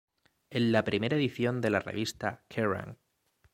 En la primera edición de la Revista "Kerrang!